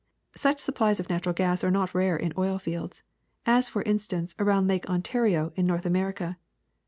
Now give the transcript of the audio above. Such supplies of natural gas are not rare in oil fields, as for instance around Lake Ontario in North America.